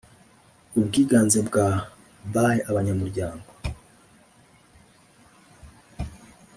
ubwiganze bwa by abanyamuryango